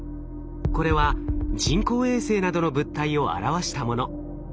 これは人工衛星などの物体を表したもの。